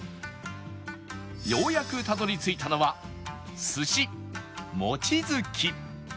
ようやくたどり着いたのは寿司もちづき